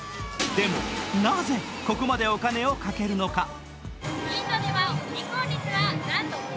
でもなぜここまでお金をかけるのか？